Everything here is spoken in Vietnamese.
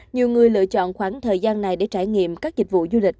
nhiều người lựa chọn khoảng thời gian này để trải nghiệm các dịch vụ du lịch